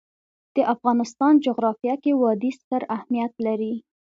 د افغانستان جغرافیه کې وادي ستر اهمیت لري.